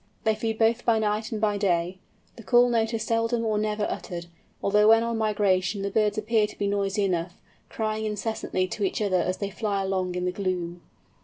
They feed both by night and by day. The call note is seldom or never uttered, although when on migration the birds appear to be noisy enough, crying incessantly to each other as they fly along in the gloom.